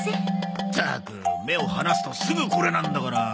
ったく目を離すとすぐこれなんだから。